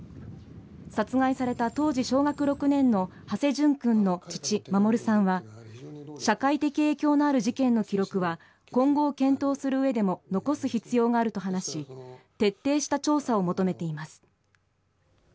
殺害された当時小学６年の土師淳君の父・守さんは社会的影響のある事件の記録は今後を検討する上でも残す必要があると話し徹底した調査を求めています。